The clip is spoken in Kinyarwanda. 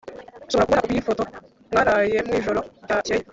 nshobora kubona kopi yifoto mwaraye mwijoro ryakeye